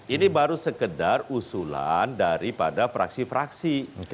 ini baru sekedar usulan daripada fraksi fraksi